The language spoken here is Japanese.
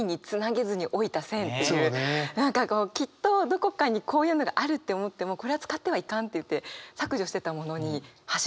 何かこうきっとどこかにこういうのがあるって思ってもこれは使ってはいかんっていって削除してたものに走っていく。